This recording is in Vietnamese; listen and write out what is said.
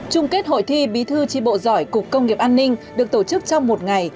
trung kết hội thi bí thư tri bộ giỏi cục công nghiệp an ninh được tổ chức trong một ngày